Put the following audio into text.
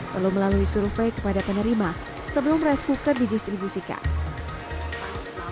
perlu melalui survei kepada penerima sebelum rice cooker didistribusikan